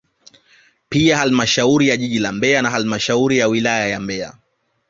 Pia halmashauri ya jiji la Mbeya na halmashauri ya wilaya ya Mbeya